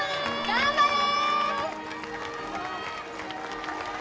頑張れ！